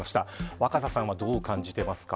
若狭さんはどう感じていますか。